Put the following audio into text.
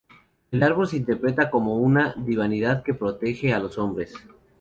El árbol se interpreta como una divinidad que protege a los hombres.